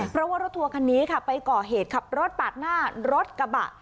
เพราะว่ารถทัวร์คันนี้ค่ะไปก่อเหตุขับรถปาดหน้ารถกระบะ